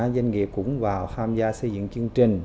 doanh nghiệp cũng vào tham gia xây dựng chương trình